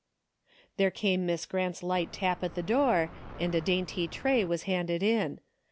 There came Miss Grant's light tap at the door, and a dainty tray was handed in.